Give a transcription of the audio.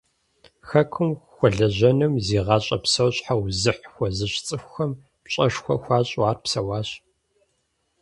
Хэкум хуэлэжьэным зи гъащӀэ псор щхьэузыхь хуэзыщӀ цӀыхухэм пщӀэшхуэ хуащӀу ар псэуащ.